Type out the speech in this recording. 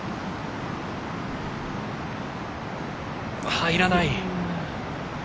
入らない。